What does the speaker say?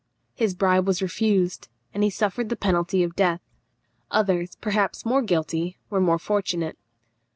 His bribe was refused, and he suffered the penalty of death. Others, perhaps more guilty, were more fortunate.